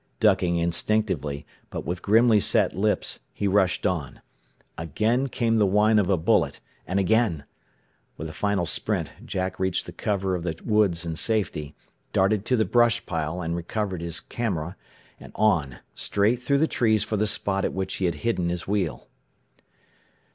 Ducking instinctively, but with grimly set lips, he rushed on. Again came the whine of a bullet, and again. With a final sprint Jack reached the cover of the woods in safety, darted to the brush pile and recovered his camera, and on, straight through the trees for the spot at which he had hidden his wheel.